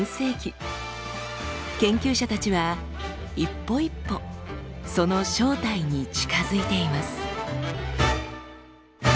研究者たちは一歩一歩その正体に近づいています。